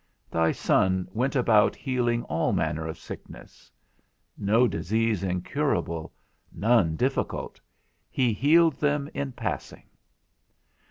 Thy Son went about healing all manner of sickness. (No disease incurable, none difficult; he healed them in passing).